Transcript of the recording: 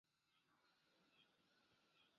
姑田镇是福建省龙岩市连城县下辖的一个镇。